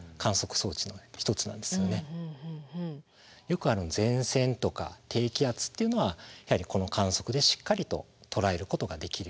よく前線とか低気圧っていうのはこの観測でしっかりと捉えることができるように。